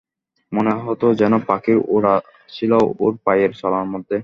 মনে হত যেন পাখির ওড়া ছিল ওর পায়ের চলার মধ্যে।